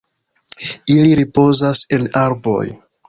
Ili ripozas en arboj.